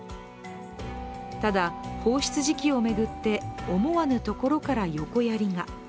ただ、放出時期を巡って思わぬところから横やりが。